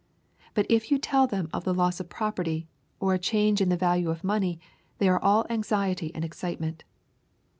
But if you tell them of the loss of property, or a change in the value of money, they are all anxiety and excitement.